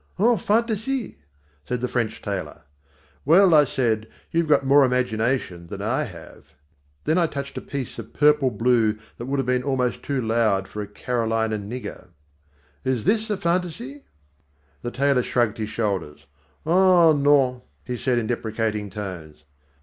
"Une fantaisie," said the French tailor. "Well," I said, "you've got more imagination than I have." Then I touched a piece of purple blue that would have been almost too loud for a Carolina nigger. "Is this a fantaisie?" The tailor shrugged his shoulders. "Ah, non," he said in deprecating tones.